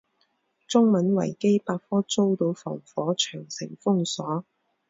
中文维基百科遭到防火长城封锁。